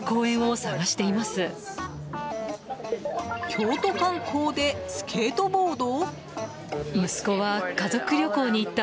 京都観光でスケートボード？